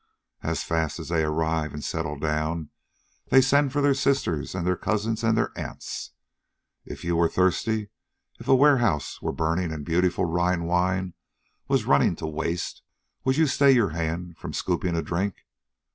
As fast as they arrive and settle down, they send for their sisters and their cousins and their aunts. If you were thirsty, if a warehouse were burning and beautiful Rhine wine were running to waste, would you stay your hand from scooping a drink?